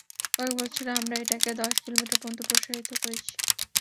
কয়েক বছরে, আমরা এটাকে দশ কিলোমিটার পর্যন্ত প্রসারিত করেছি।